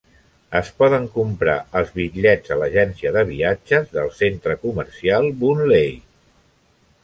Es poden comprar els bitllets a l'agència de viatges del centre comercial Boon Lay.